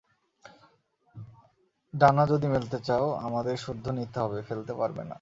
ডানা যদি মেলতে চাও আমাদের সুদ্ধু নিতে হবে, ফেলতে পারবে না।